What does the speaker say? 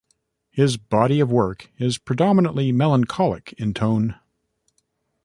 His body of work is predominantly melancholic in tone.